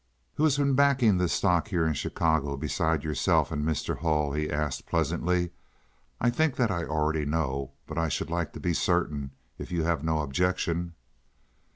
"Who has been backing this stock here in Chicago besides yourself and Mr. Hull?" he asked, pleasantly. "I think that I already know, but I should like to be certain if you have no objection."